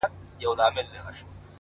• هره ګیله دي منم ګرانه پر ما ښه لګیږي ,